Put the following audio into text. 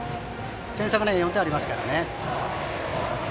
点差が４点ありますので。